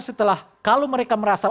setelah kalau mereka merasa